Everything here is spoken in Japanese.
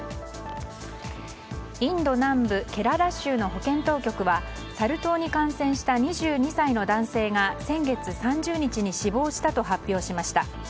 インド南部ケララ州の保健当局はサル痘に感染した２２歳の男性が先月３０日に死亡したと発表しました。